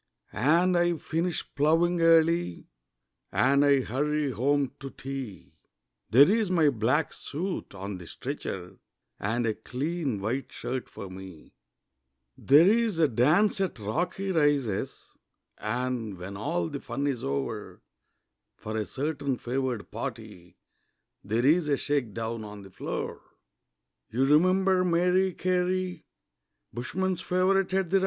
And I finish ploughing early, And I hurry home to tea There's my black suit on the stretcher, And a clean white shirt for me; There's a dance at Rocky Rises, And, when all the fun is o'er, For a certain favoured party There's a shake down on the floor. You remember Mary Carey, Bushmen's favourite at the Rise?